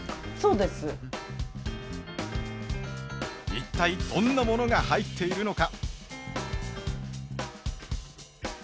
一体どんなものが入っているのか？